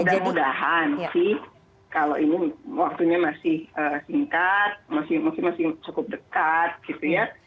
mudah mudahan sih kalau ini waktunya masih singkat masih cukup dekat gitu ya